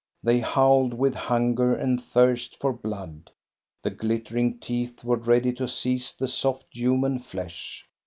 They howled with hunger and thirst for blood. The glittering teeth were ready to seize the soft human flesh.